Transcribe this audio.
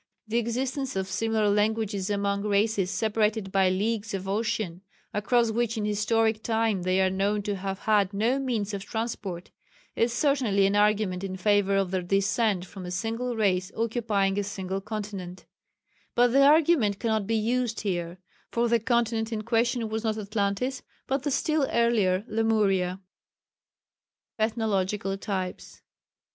The existence of similar languages among races separated by leagues of ocean, across which in historic time they are known to have had no means of transport, is certainly an argument in favour of their descent from a single race occupying a single continent, but the argument cannot be used here, for the continent in question was not Atlantis, but the still earlier Lemuria. _Ethnological Types.